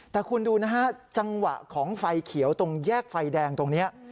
แต่คุณดูนะฮะจังหวะของไฟเขียวตรงแยกไฟแดงตรงนี้